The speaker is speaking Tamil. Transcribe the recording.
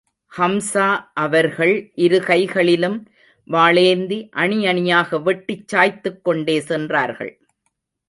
ஹம்ஸா அவர்கள் இரு கைகளிலும் வாளேந்தி, அணி அணியாக வெட்டிச் சாய்த்துக் கொண்டே சென்றார்கள்.